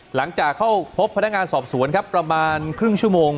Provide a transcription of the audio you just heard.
หลังจากเข้าพบพนักงานสอบสวนครับประมาณครึ่งชั่วโมง